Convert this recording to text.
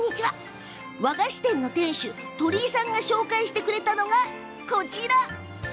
和菓子店の店主鳥居さんが紹介してくれたのがこちら。